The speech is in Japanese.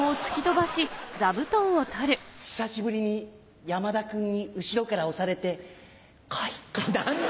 久しぶりに山田君に後ろから押されて快感。